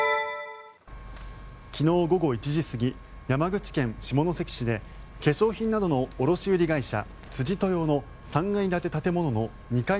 昨日午後１時過ぎ山口県下関市で化粧品などの卸売会社、辻豊の３階建て建物の２階